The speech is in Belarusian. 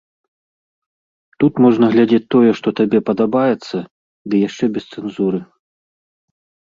Тут можна глядзець тое, што табе падабаецца, ды яшчэ без цэнзуры.